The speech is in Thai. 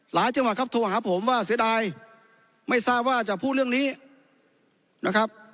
จังหวัดครับโทรหาผมว่าเสียดายไม่ทราบว่าจะพูดเรื่องนี้นะครับ